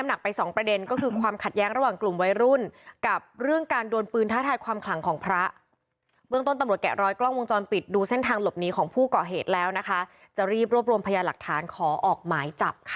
ให้มึงกลับไปดูลูกประมาณเนี่ย